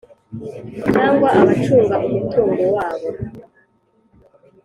Cyangwa abacunga umutungo wabo